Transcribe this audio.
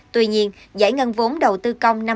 tuy nhiên giải ngân vốn đầu tư công năm hai nghìn hai mươi